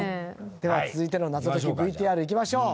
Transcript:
では続いての謎解きＶＴＲいきましょう。